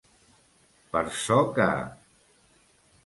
Per ço que.